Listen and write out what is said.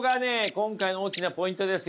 今回の大きなポイントですよ。